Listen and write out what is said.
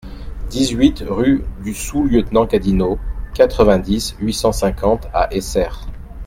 dix-huit rue du Sous Lieutenant Cadinot, quatre-vingt-dix, huit cent cinquante à Essert